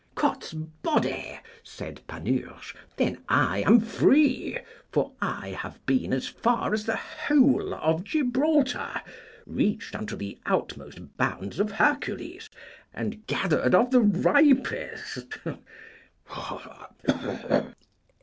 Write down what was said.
Cotsbody, said Panurge, then I am free; for I have been as far as the hole of Gibraltar, reached unto the outmost bounds of Hercules, and gathered of the ripest.